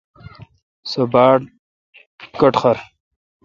سو باڑ کٹخر۔